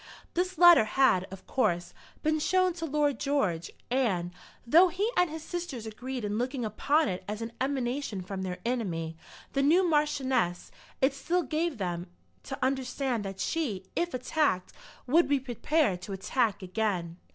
This letter had, of course, been shown to Lord George; and, though he and his sisters agreed in looking upon it as an emanation from their enemy, the new Marchioness, it still gave them to understand that she, if attacked, would be prepared to attack again.